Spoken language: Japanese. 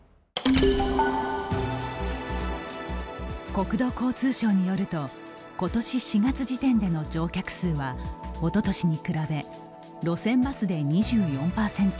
国土交通省によるとことし４月時点での乗客数はおととしに比べ路線バスで２４％